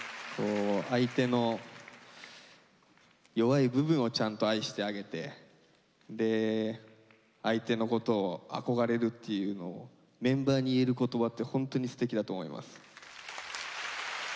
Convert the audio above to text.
相手の弱い部分をちゃんと愛してあげてで相手のことを憧れるっていうのをメンバーに言える言葉ってホントにすてきだと思います。